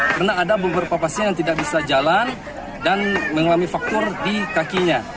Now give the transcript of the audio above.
karena ada beberapa pasien yang tidak bisa jalan dan mengalami faktor di kakinya